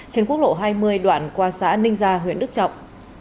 trên quốc lộ hai mươi đoạn qua xã ninh gia huyện đức trọng